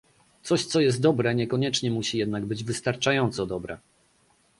Coś, co jest dobre, niekoniecznie musi jednak być wystarczająco dobre